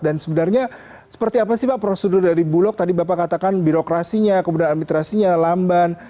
dan sebenarnya seperti apa sih pak prosedur dari bulog tadi bapak katakan birokrasinya kemudian administrasinya lamban